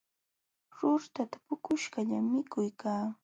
Ruurtata puquśhqallatam mikuna ismuqlul patanchiktam nanachikun.